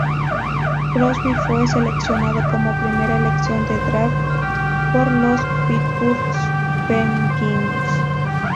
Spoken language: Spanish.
Crosby fue seleccionado como primera elección de draft por los Pittsburgh Penguins.